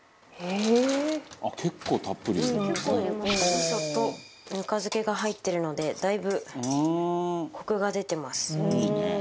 味噌とぬか漬けが入ってるのでだいぶ、コクが出てます。